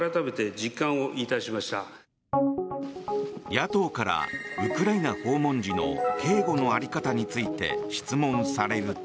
野党から、ウクライナ訪問時の警護の在り方について質問されると。